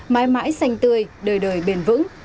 mãi mãi sành tươi đời đời bền vững